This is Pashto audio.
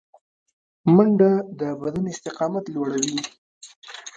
منډه د بدن استقامت لوړوي